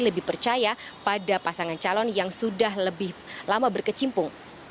lebih percaya pada pasangan calon yang sudah lebih lama berkecimpung